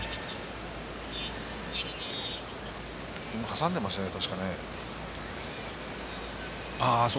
はさんでましたね。